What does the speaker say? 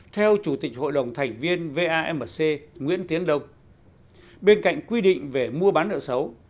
theo chủ tịch hội đồng thành viên vamc nguyễn tiến đông bên cạnh quy định về mua bán nợ xấu